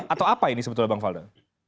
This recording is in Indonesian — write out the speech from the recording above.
atau apa ini sebetulnya bang faldo